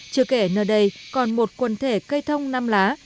chưa kể nơi đây còn một quần thể cây thông năm lá